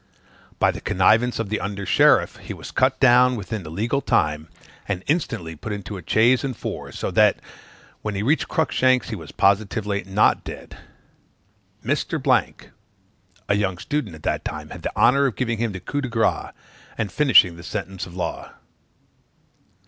By the connivance of the under sheriff he was cut down within the legal time, and instantly put into a chaise and four; so that, when he reached Cruickshank's he was positively not dead. Mr. , a young student at that time, had the honor of giving him the coup de grâce, and finishing the sentence of the law."